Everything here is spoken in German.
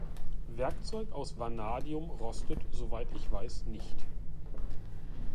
Werkzeug aus Vanadium rostet soweit ich weiß nicht.